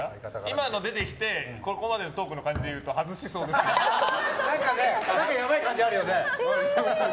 今の出てきてここまでのトークの感じで言うとやばい感じあるよね。